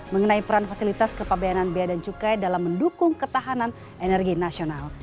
mengenai peran fasilitas kepabianan biaya dan cukai dalam mendukung ketahanan energi nasional